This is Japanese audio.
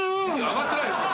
上がってないでしょ。